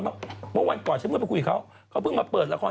เมื่อวันก่อนฉันเมื่อไปคุยกับเขาเขาเพิ่งมาเปิดละคร